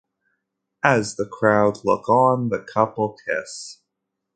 As the crowd look on, the couple kiss.